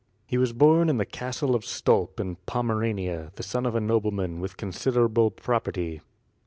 He was born in the Castle of Stolpe in Pomerania, the son of a nobleman with considerable property.